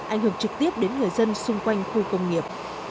ảnh hưởng trực tiếp đến người dân xung quanh khu công nghiệp